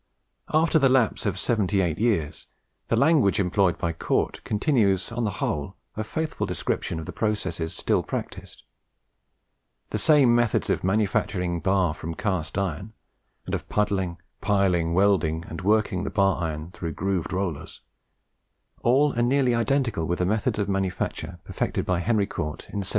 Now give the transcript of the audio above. After the lapse of seventy eight years, the language employed by Cort continues on the whole a faithful description of the processes still practised: the same methods of manufacturing bar from cast iron, and of puddling, piling, welding, and working the bar iron through grooved rollers all are nearly identical with the methods of manufacture perfected by Henry Cort in 1784.